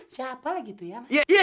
siapa lagi itu ya